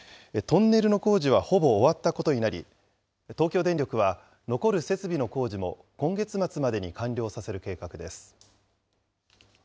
トンネルの工事はほぼ終わったことになり、東京電力は残る設備の工事も今月末までに完了させる計画です。